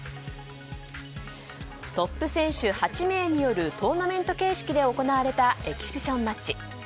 トップ選手８名によるトーナメント形式で行われたエキシビションマッチ。